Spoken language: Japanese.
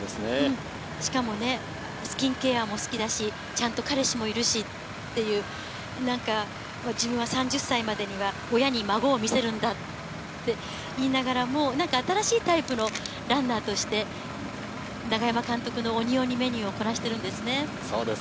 しかもスキンケアも好きだし、ちゃんと彼氏もいるし、自分は３０歳までには親に孫を見せるんだって言いながらも、新しいタイプのランナーとして、永山監督の鬼鬼メニューをこなしているんですね。